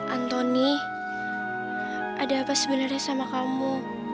antoni ada apa sebenarnya sama kamu